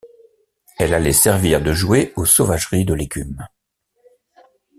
Elle allait servir de jouet aux sauvageries de l’écume.